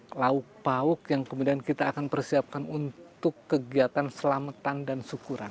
hai lauk lauk yang kemudian kita akan persiapkan untuk kegiatan selamatan dan syukuran dari hasil